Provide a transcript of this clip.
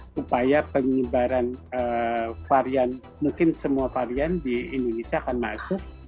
supaya penyebaran varian mungkin semua varian di indonesia akan masuk